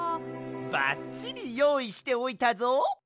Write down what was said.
ばっちりよういしておいたぞ！